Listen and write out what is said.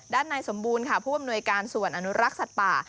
ในสมบูรณ์ค่ะผู้อำนวยการส่วนอนุรักษ์สัตว์ป่า